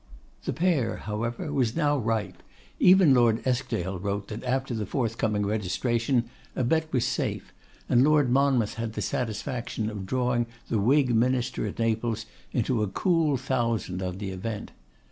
The pear, however, was now ripe. Even Lord Eskdale wrote that after the forthcoming registration a bet was safe, and Lord Monmouth had the satisfaction of drawing the Whig Minister at Naples into a cool thousand on the event.